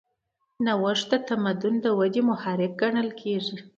نوښت د تمدن د ودې محرک ګڼل کېږي.